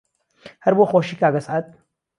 هەر بۆ خۆشی کاک ئەسعەد